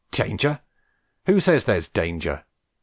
Danger! who says there's danger?